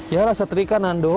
ya rasa setrika nando